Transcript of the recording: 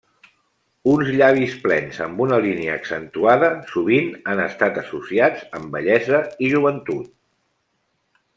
Uns llavis plens amb una línia accentuada sovint han estat associats amb bellesa i joventut.